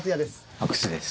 阿久津です。